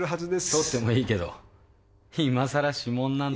採ってもいいけどいまさら指紋なんて。